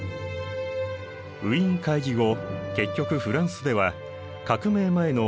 ウィーン会議後結局フランスでは革命前のブルボン王家が復活。